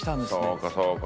そうかそうか。